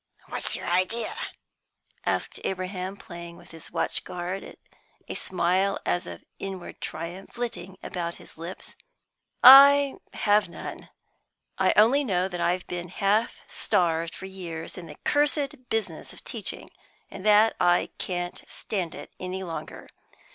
"What's your idea?" asked Abraham, playing with his watch guard, a smile as of inward triumph flitting about his lips. "I have none. I only know that I've been half starved for years in the cursed business of teaching, and that I can't stand it any longer.